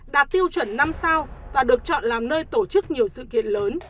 đạt tiêu chuẩn năm sao và được chọn làm nơi tổ chức nhiều sự kiện lớn